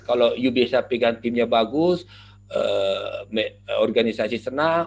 kalau you bisa pegang timnya bagus organisasi senang